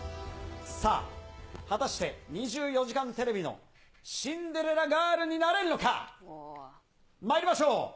さあ、果たして２４時間テレビのシンデレラガールになれるのか、まいりましょう。